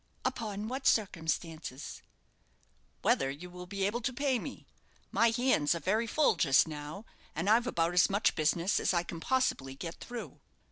"Upon what circumstances?" "Whether you will be able to pay me. My hands are very full just now, and I've about as much business as I can possibly get through."